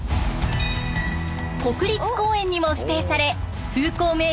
国立公園にも指定され風光明